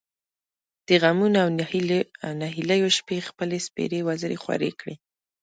د غمـونـو او نهـيليو شـپې خپـلې سپـېرې وزرې خـورې کـړې.